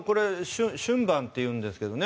「春晩」というんですけどね